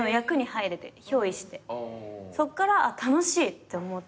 そっから楽しいって思って。